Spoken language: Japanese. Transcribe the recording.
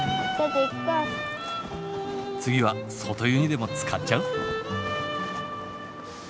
次は外湯にでもつかっちゃう？